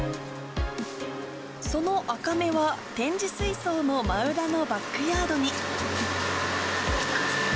そのアカメは、展示水槽の真裏のバックヤードに。